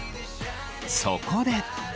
そこで。